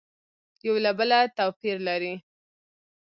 یو له بله تو پیر لري